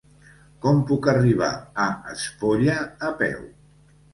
Com puc arribar a Espolla a peu?